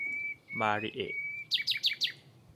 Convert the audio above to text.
มาริเอะ